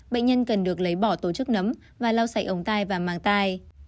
bệnh nhân cần được lấy bỏ tổ chức nấm và lau sạch ống tay và màng tay